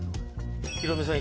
ヒロミさん